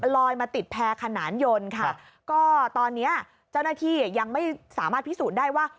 ลอยมาติดแพรขนานยนต์ค่ะก็ตอนนี้เจ้าหน้าที่ยังไม่สามารถพิสูจน์ได้ว่า